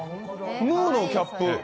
ムーのキャップ！